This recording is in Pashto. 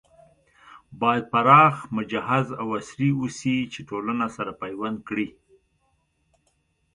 بايد پراخ، مجهز او عصري اوسي چې ټولنه سره پيوند کړي